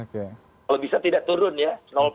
kalau bisa tidak turun ya